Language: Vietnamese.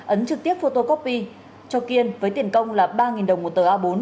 án trực tiếp photocopy cho kiên với tiền công là ba đồng một tờ a bốn